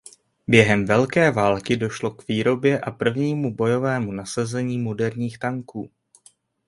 Během velké války došlo k výrobě a prvnímu bojovému nasazení moderních tanků.